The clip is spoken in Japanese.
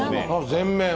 全面。